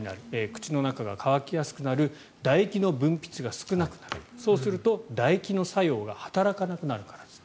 口の中が乾きやすくなるだ液の分泌が少なくなるそうすると、だ液の作用が働かなくなるからです。